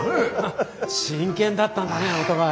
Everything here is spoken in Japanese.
真剣だったんだねお互い。